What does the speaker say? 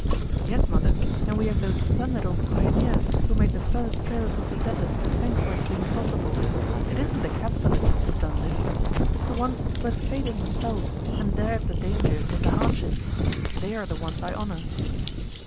"Yes, mother, and we have those splendid old pioneers who made the first trail across the desert to thank for its being possible. It isn't the capitalists who have done this. It's the ones who had faith in themselves and dared the dangers and the hardships. They are the ones I honor."